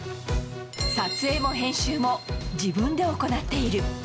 撮影も編集も自分で行っている。